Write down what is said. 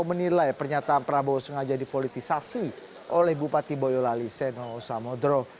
menilai pernyataan prabowo sengaja dipolitisasi oleh bupati boyolali seno samodro